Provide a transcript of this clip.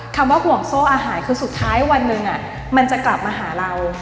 คำว่าห่วงโซ่อาหารคือสุดท้ายวันหนึ่งมันจะกลับมาหาเรา